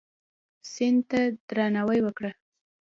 سیند ته درناوی وکړه.